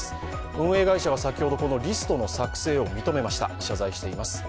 運営会社は先ほど、このリストの作成を認めました、謝罪しています。